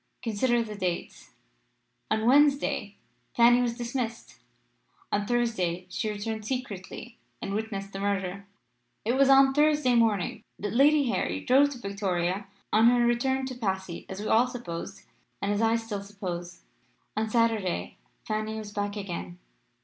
Consider the dates. On Wednesday Fanny was dismissed; on Thursday she returned secretly and witnessed the murder. It was on Thursday morning that Lady Harry drove to Victoria on her return to Passy, as we all supposed, and as I still suppose. On Saturday Funny was back again.